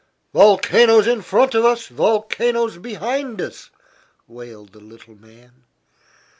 "Volcanoes in front of us, volcanoes behind us!" wailed the little man.